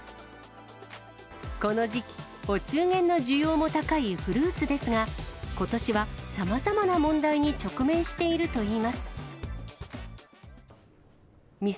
この時期、お中元の需要も高いフルーツですが、ことしはさまざまな問題に直面しているといいます。